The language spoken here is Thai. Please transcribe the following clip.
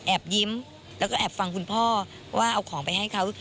ยิ้มแล้วก็แอบฟังคุณพ่อว่าเอาของไปให้เขา